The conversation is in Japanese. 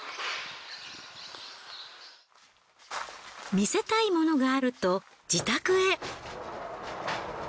見せたいものがあると自宅へ。